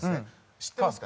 知ってますか？